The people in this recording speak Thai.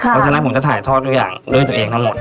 เพราะฉะนั้นผมจะถ่ายทอดทุกอย่างด้วยตัวเองทั้งหมด